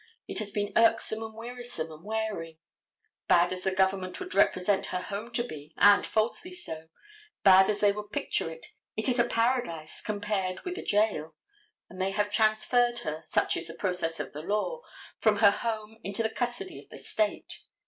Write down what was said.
It has been irksome and wearisome and wearing. Bad as the government would represent her home to be, and falsely so; bad as they would picture it, it is a paradise compared with a jail, and they have transferred her, such is the process of the law, from her home into the custody of the State.